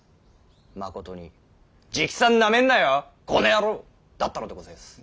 まことに「直参なめんなよこの野郎」だったのでございやす。